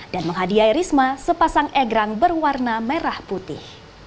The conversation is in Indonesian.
dan menghadiah risma sepasang egrang berwarna merah putih